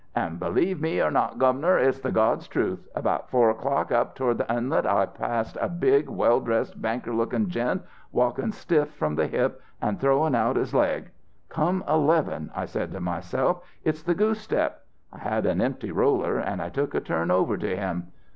"'And believe me or not, Governor, it's the God's truth. About four o'clock up toward the Inlet I passed a big, well dressed, banker looking gent walking stiff from the hip and throwing out his leg. "Come eleven!" I said to myself. "It's the goose step!" I had an empty roller, and I took a turn over to him.